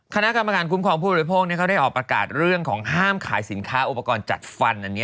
คณะกรรมการคุ้มครองผู้บริโภคเขาได้ออกประกาศเรื่องของห้ามขายสินค้าอุปกรณ์จัดฟัน